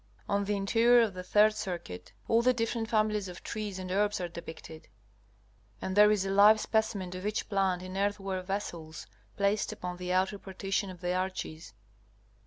On the interior of the third circuit all the different families of trees and herbs are depicted, and there is a live specimen of each plant in earthenware vessels placed upon the outer partition of the arches.